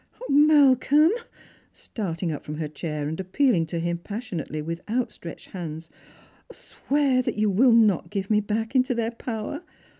Malcolm !" starting up from her chair, and appealing to him passionately, with outsti etched hands, " swear that you will not give me back into their power